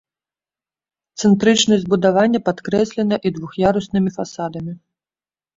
Цэнтрычнасць збудавання падкрэслена і двух'яруснымі фасадамі.